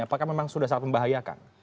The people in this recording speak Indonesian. apakah memang sudah sangat membahayakan